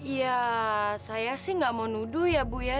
iya saya sih enggak mau nuduh ya bu ya